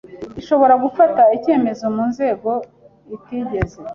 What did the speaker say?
gishobora gufata icyemezo mu nzego itigeze